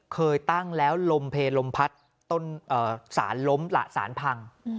เคยตั้งแล้วลมเพลลมพัดต้นสารล้มละสารพัง